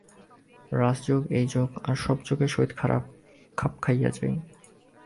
রাজযোগ এই যোগ আর সব যোগের সহিত খাপ খাইয়া যায়।